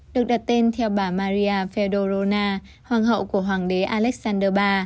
được đặt tên theo bà maria fedorovna hoàng hậu của hoàng đế alexander iii